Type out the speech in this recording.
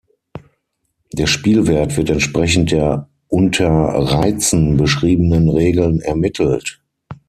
Der Spielwert wird entsprechend der unter "Reizen" beschriebenen Regeln ermittelt.